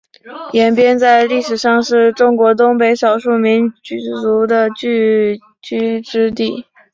延边在历史上是中国东北少数民族的聚居地之一。